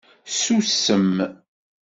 Ssusem!